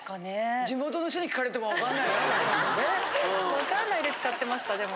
分かんないで使ってましたでも。